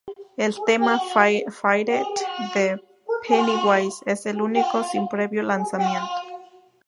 El tema "Fight It" de Pennywise es el único sin previo lanzamiento.